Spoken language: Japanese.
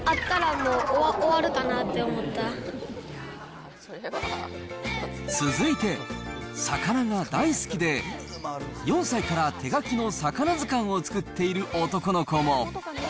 もう、続いて、魚が大好きで、４歳から手書きの魚図鑑を作っている男の子も。